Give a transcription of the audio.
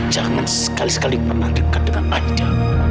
jangan sekali sekali pernah deket dengan aida